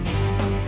saya yang menang